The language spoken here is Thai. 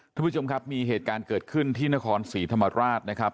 ท่านผู้ชมครับมีเหตุการณ์เกิดขึ้นที่นครศรีธรรมราชนะครับ